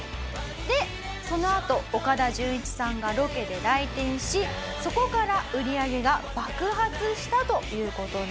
でそのあと岡田准一さんがロケで来店しそこから売り上げが爆発したという事なんです。